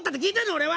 俺は。